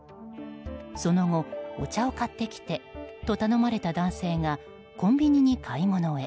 その後、お茶を買ってきてと頼まれた男性がコンビニに買い物へ。